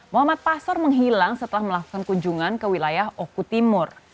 muhammad pasor menghilang setelah melakukan kunjungan ke wilayah oku timur